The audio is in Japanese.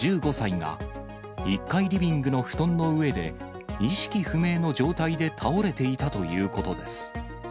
１５歳が、１階リビングの布団の上で意識不明の状態で倒れていたということです。